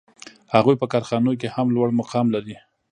هغوی په کارخانو کې هم لوړ مقام لري